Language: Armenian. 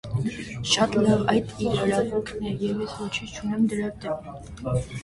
Շատ լավ, այդ իր իրավունքն է, և ես ոչինչ չունեմ դրա դեմ: